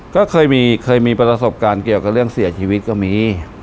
ก็เคยมีเคยมีประสบการณ์เกี่ยวกับเรื่องเสียชีวิตก็มี